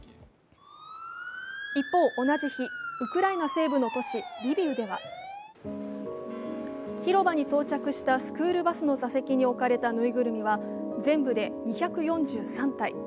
一方、同じ日、ウクライナ西部の都市リビウでは広場に到着したスクールバスの座席に置かれたぬいぐるみは全部で２４３体。